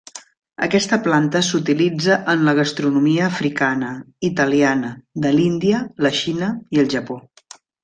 Aquesta planta s'utilitza en la gastronomia africana, italiana, de l'Índia, la Xina i el Japó.